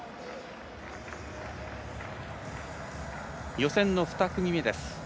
予選の２組目です。